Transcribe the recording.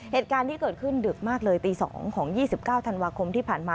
เหตุการณ์ที่เกิดขึ้นดึกมากเลยตี๒ของ๒๙ธันวาคมที่ผ่านมา